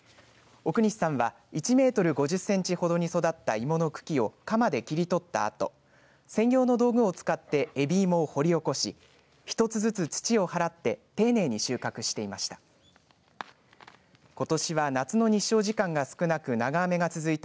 奥西さんは１メートル５０センチほどに育った芋の茎を鎌で切り取ったあと専用の道具を使ってえびいもを掘り起こし一つずつ土を払って丁寧に収穫していました。